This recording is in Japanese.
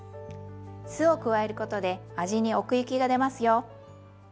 酢を加えることで味に奥行きがでますよ。